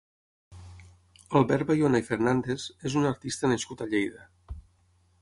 Albert Bayona i Fernández és un artista nascut a Lleida.